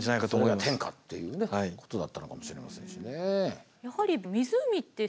それが天下っていうことだったのかもしれませんしね。